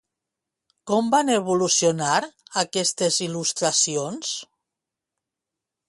Com van evolucionar aquestes il·lustracions?